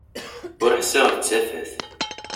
Ur ḥsiɣ d tafat.